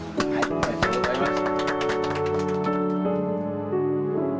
おめでとうございます。